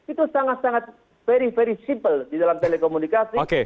itu sangat sangat very very simple di dalam telekomunikasi